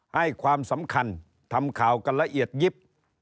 ให้ความสำคัญทำข่าวกันละเอียดยิบ